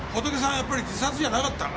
やっぱり自殺じゃなかったんだ？